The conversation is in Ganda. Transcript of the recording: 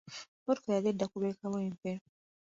Emmotoka yali edda ku lw'e kawempe.